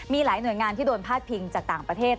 มีหลายหน่วยงานที่โดนพาดพิงจากต่างประเทศ